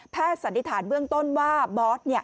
สันนิษฐานเบื้องต้นว่าบอส